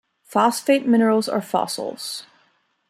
Phosphate minerals are fossils.